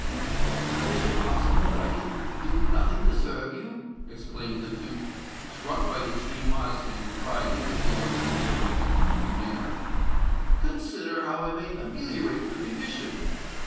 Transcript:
"But is it possible that I can do nothing to serve you?" exclaimed the Duke, struck by the extreme modesty and propriety of the Zingaree's words and manner. "Consider how I may ameliorate your condition."